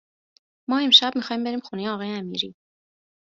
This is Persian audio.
ما امشب میخوایم بریم خونه آقای امیری